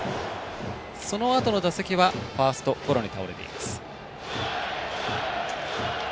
そのあとの打席はファーストゴロに倒れています。